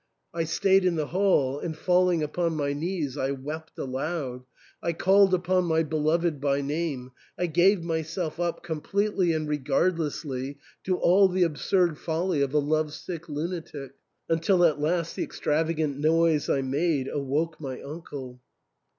I stayed in the hall, and falling upon my knees, I wept aloud ; I called upon my be loved by name, I gave myself up completely and re gard lessly to all the absurd folly of a love sick lunatic, until at last the extravagant noise I made awoke my uncle.